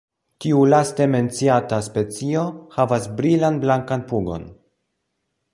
Tiu laste menciata specio havas brilan blankan pugon.